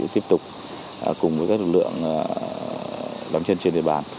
tiếp tục cùng với các lực lượng lắm chân trên đề bàn